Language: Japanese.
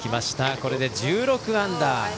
これで１６アンダー。